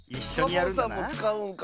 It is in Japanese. サボさんもつかうんか。